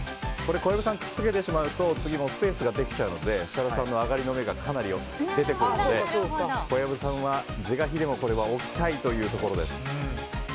小籔さん、くっつけてしまうとスペースができてしまうので設楽さんの上がりの目がかなり出てくるので小籔さんは是が非でも置きたいということろです。